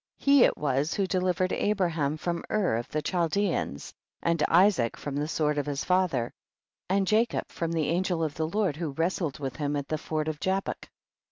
33. He it was who delivered Abraham from Ur* of the Chaldeans, and Isaac from the sword of his fa ther, and Jacob from the angel of the Lord who wrestled with him at the ford of Jabbuk.